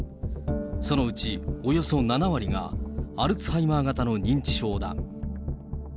そのうちおよそ７割が、アルツハイマー型の認知症だ。